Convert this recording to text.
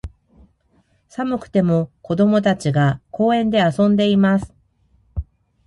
寒くても、子供たちが、公園で遊んでいます。